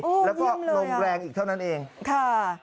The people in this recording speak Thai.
โอ้ยยิ่มเลยแล้วก็ลงแรงอีกเท่านั้นเองค่ะอ๋อ